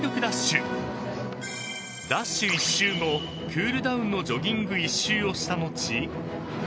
［ダッシュ１周後クールダウンのジョギング１周をした後］